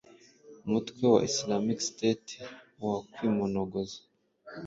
umutwe wa Islamic State wakwimonogoza.